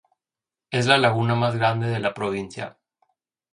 Es la laguna más grande de la provincia.